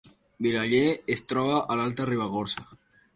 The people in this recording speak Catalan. Vilaller es troba a l’Alta Ribagorça